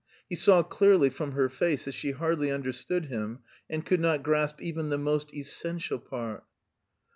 He saw clearly from her face that she hardly understood him, and could not grasp even the most essential part.